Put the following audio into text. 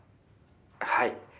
「はい。